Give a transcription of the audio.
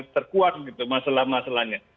terkuat gitu masalah masalahnya